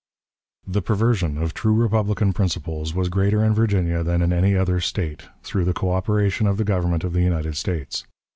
The perversion of true republican principles was greater in Virginia than in any other State, through the coöperation of the Government of the United States.